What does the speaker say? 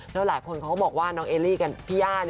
และหลายคนเขาก็บอกว่าน้องเอไรกับพี่ย่าเนี่ย